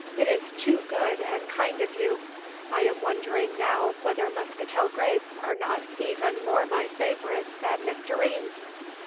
It is too good and kind of you. I am wondering now whether muscatel grapes are not even more my favourites than nectarines!